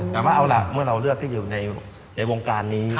แต่ว่าเอาล่ะเมื่อเราเลือกที่อยู่ในวงการนี้